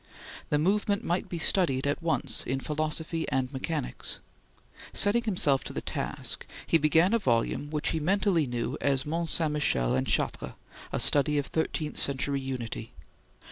The movement might be studied at once in philosophy and mechanics. Setting himself to the task, he began a volume which he mentally knew as 'Mont Saint Michel and Chartres: a Study of Thirteenth Century Unity.'